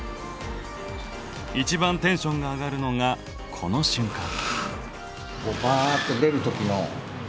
一番テンションが上がるのがこの瞬間！